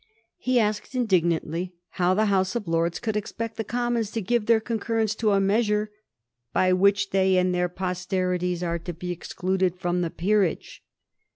He asked indignantly how the House of Lords coxild expect the Commons to give their concurrence to a measure ^by which they and their posterities are to be excluded from the Peer age.'